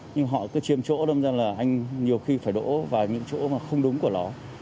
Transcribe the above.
nhưng họ cứ chiêm chỗ đâm ra là anh nhiều khi phải đỗ vào những chỗ mà không đúng của nó